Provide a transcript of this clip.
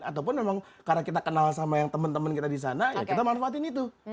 ataupun memang karena kita kenal sama yang teman teman kita di sana ya kita manfaatin itu